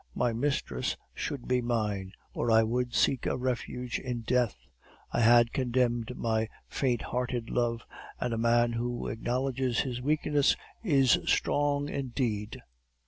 My mistress should be mine, or I would seek a refuge in death. I had condemned my faint hearted love, and a man who acknowledges his weakness is strong indeed.